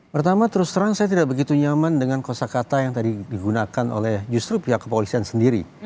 pertama terus terang saya tidak begitu nyaman dengan kosa kata yang tadi digunakan oleh justru pihak kepolisian sendiri